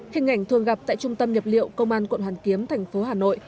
hình ảnh thường gặp tại trung tâm nhập liệu công an quận hoàn kiếm thành phố hà nội